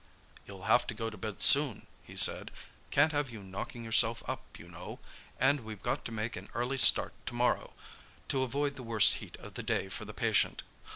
"You'll have to go to bed soon," he said. "Can't have you knocking yourself up, you know; and we've got to make an early start to morrow to avoid the worst heat of the day for the patient.